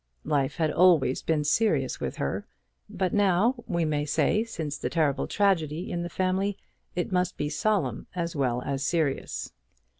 Life had always been serious with her; but now, we may say, since the terrible tragedy in the family, it must be solemn as well as serious.